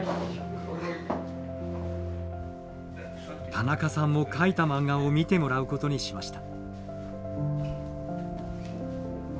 田中さんも描いた漫画を見てもらうことにしました。